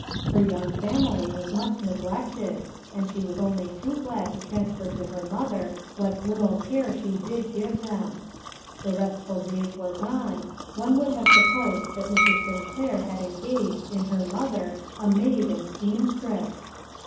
Her young family was much neglected and she was only too glad to transfer to her old mother what little care she did give them. The restful days were gone, one would have supposed that Mrs. Sinclair had engaged, in her mother, a maid and seamstress.